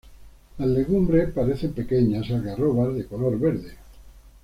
Las legumbres parecen pequeñas algarrobas de color verde.